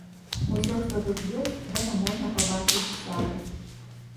Усё што тут ёсць, гэта можна пабачыць з залы.